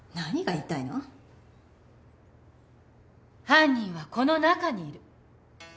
犯人はこの中にいる。